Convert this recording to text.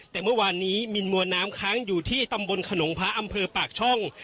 แต่เมื่อวานนี้มีมวลน้ำค้างอยู่ที่ตำบลขนงพระอำเภอปากช่อง